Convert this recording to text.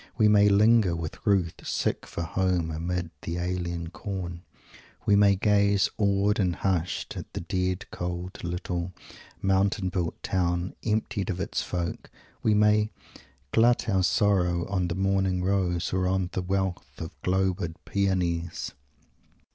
We may linger with Ruth "sick for home amid the alien corn." We may gaze, awed and hushed, at the dead, cold, little, mountain built town, "emptied of its folks" We may "glut our sorrow on the morning rose, or on the wealth of globed Peonies."